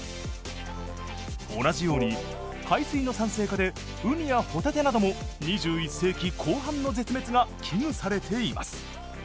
同じように海水の酸性化でウニやホタテなども２１世紀後半の絶滅が危惧されています。